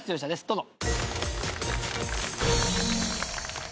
どうぞ。